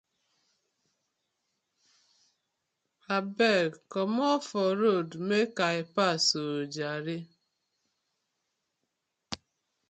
Abeg komot for road mek I pass oh jare.